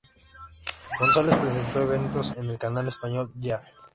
González presentó eventos en el canal español Yeah!.